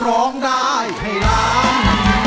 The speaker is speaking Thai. ร้องได้ให้ล้าน